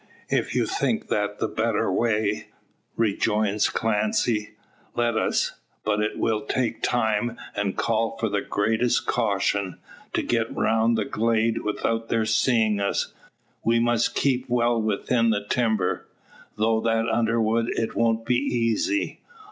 "If you think that the better way," rejoins Clancy, "let us. But it will take time, and call for the greatest caution. To get around the glade, without their seeing us, we must keep well within the timber. Through that underwood it won't be easy.